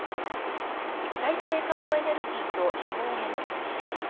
再生可能エネルギーと省エネの推進。